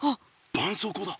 ばんそうこうだ。